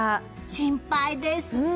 心配です。